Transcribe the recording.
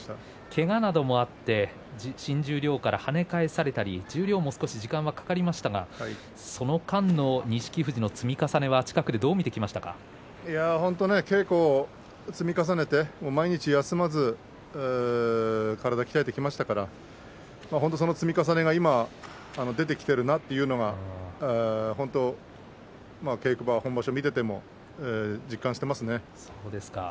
けがなどもあって新十両から跳ね返されたり十両も少し時間もかかりましたがその間の錦富士を積み重ねは本当に稽古を積み重ねて毎日、休まず体を鍛えてきましたから本当にその積み重ねが今出てきているなと稽古場、本場所、見ていても実感していますね。